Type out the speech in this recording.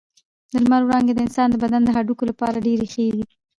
د لمر وړانګې د انسان د بدن د هډوکو لپاره ډېرې ښې دي.